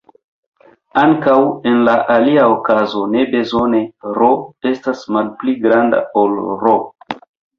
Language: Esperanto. Ankaŭ, en la alia okazo ne bezone "r" estas malpli granda ol "R".